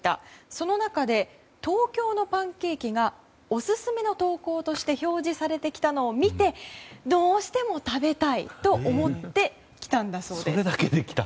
その中で東京のパンケーキがオススメの投稿として表示されてきたのを見てどうしても食べたいと思って来たんだそうです。